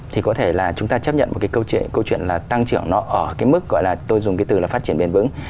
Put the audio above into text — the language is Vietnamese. thì có thể là chúng ta chấp nhận một cái câu chuyện là tăng trưởng nó ở cái mức gọi là tôi dùng cái từ là phát triển bền vững